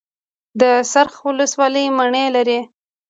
د څرخ ولسوالۍ مڼې لري